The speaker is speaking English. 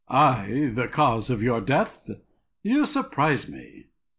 I the cause of your death! You surprise me!